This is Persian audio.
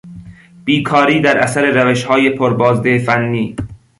بیکاری در اثر روشهای پر بازده فنی